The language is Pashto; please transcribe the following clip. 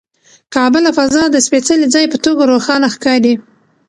کعبه له فضا د سپېڅلي ځای په توګه روښانه ښکاري.